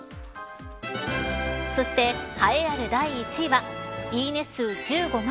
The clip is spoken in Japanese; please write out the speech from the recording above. そして栄えある第１位はいいね数１５万。